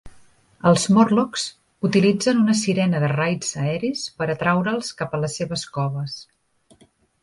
Els Morlocks utilitzen una sirena de raids aeris per atraure'ls cap a les seves coves.